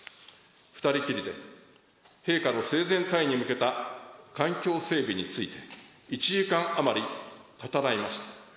２人きりで陛下の生前退位に向けた環境整備について、１時間余り語らいました。